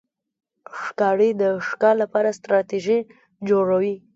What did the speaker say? ښکاري د ښکار لپاره ستراتېژي جوړوي.